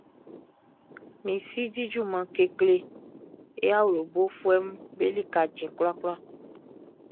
Min si di junman kekle e awlobofuɛʼm be lika cɛn kwlakwla.